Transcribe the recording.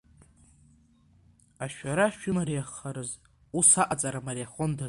Ашәара шымариахарыз, ус аҟаҵара мариахондаз.